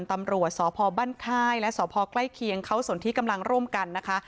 ตำรวจสพบ้านค่ายและสพใกล้เคียงเขาสนที่กำลังร่วมกันนะคะ